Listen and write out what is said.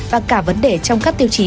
và cả vấn đề trong các tiêu chí